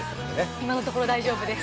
今のところ大丈夫です。